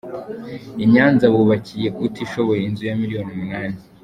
Inyanza bubakiye utishoboye inzu ya miliyoni umunani